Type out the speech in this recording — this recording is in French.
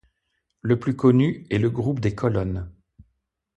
Le plus connu est le Groupe des Colonnes.